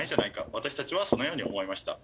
私たちはそのように思いました。